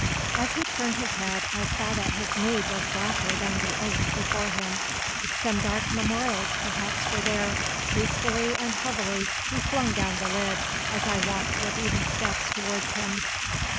As he turned his head, I saw that his mood was blacker than the oak before him. Some dark memorials perhaps were there; hastily and heavily he flung down the lid, as I walked with even steps towards him.